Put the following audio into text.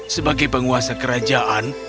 sebagai penguasa kerajaan